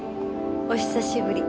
お久しぶり。